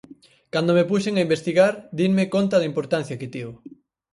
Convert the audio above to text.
Cando me puxen a investigar dinme conta da importancia que tivo.